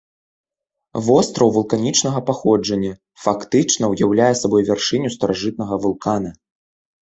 Востраў вулканічнага паходжання, фактычна ўяўляе сабой вяршыню старажытнага вулкана.